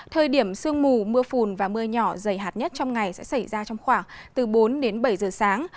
thời điểm sương mù mưa phùn và mưa nhỏ dày hạt nhất trong ngày sẽ xảy ra trong khoảng từ bốn đến bảy giờ sáng